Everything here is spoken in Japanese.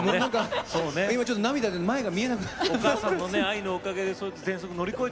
今、ちょっと涙で前が見えない。